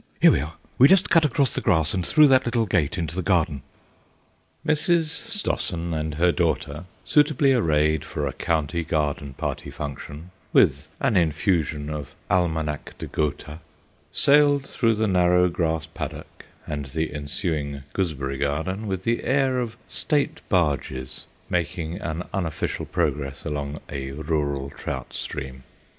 Here we are: we just cut across the grass and through that little gate into the garden." Mrs. Stossen and her daughter, suitably arrayed for a county garden party function with an infusion of Almanack de Gotha, sailed through the narrow grass paddock and the ensuing gooseberry garden with the air of state barges making an unofficial progress along a rural trout stream.